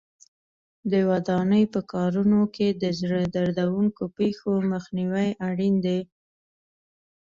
د ودانۍ په کارونو کې د زړه دردوونکو پېښو مخنیوی اړین دی.